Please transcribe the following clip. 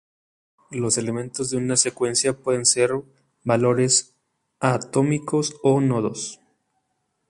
Los elementos de una secuencia pueden ser valores atómicos o nodos.